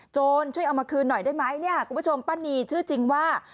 ช่วยเอามาคืนหน่อยได้ไหมเนี่ยคุณผู้ชมป้านีชื่อจริงว่า